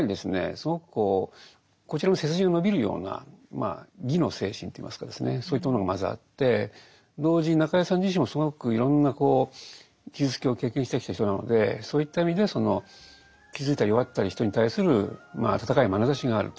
すごくこちらの背筋が伸びるような「義」の精神といいますかそういったものがまずあって同時に中井さん自身もすごくいろんな傷つきを経験してきた人なのでそういった意味でその傷ついたり弱った人に対する温かいまなざしがあると。